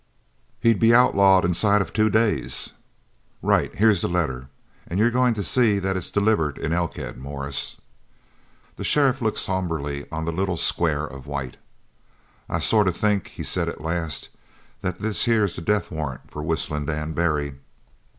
"He'd be outlawed inside of two days!" "Right. Here's the letter. An' you're goin' to see that it's delivered in Elkhead, Morris." The sheriff looked sombrely on the little square of white. "I sort of think," he said at last, "that this here's the death warrant for Whistlin' Dan Barry."